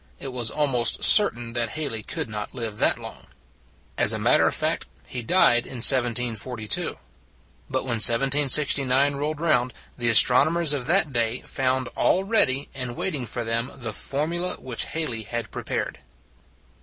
It was almost certain that Halley could not live that long. As a matter of fact, he died in 1742. But when 1769 rolled round, the as tronomers of that day found all ready and waiting for them the formulas which Hal ley had prepared.